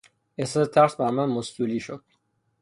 احساس ترس بر من مستولی شد.